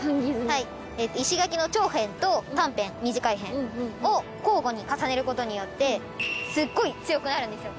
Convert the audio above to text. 石垣の長辺と短辺短い辺を交互に重ねる事によってすっごい強くなるんですよ。